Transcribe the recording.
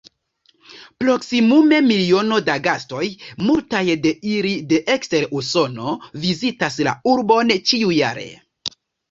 Proksimume miliono da gastoj, multaj de ili de ekster Usono, vizitas la urbon ĉiujare.